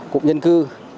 cục dân cư